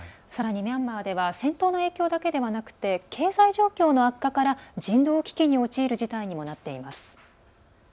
さらにミャンマーでは戦闘の影響だけではなくて経済状況の悪化から人道危機に陥る事態にもなっています。